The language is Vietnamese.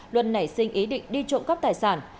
luân nảy sinh ý định đi trộm cắp tài sản